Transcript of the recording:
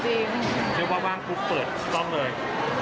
เชื่อว่าบ้านคุกเปิดต้องเลย